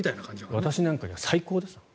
私なんかには最高です。